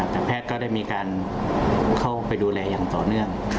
แต่แพทย์ก็ได้มีการเข้าไปดูแลอย่างต่อเนื่อง